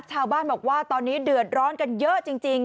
ชาวบ้านบอกว่าตอนนี้เดือดร้อนกันเยอะจริง